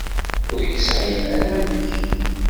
Ur yesɛi ara anamek.